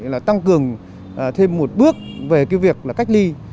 là tăng cường thêm một bước về cái việc là cách ly